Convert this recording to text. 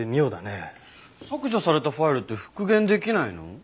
削除されたファイルって復元できないの？